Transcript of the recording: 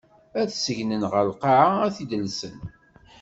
Ad t-segnen ɣer lqaɛa, ad t-id-llsen.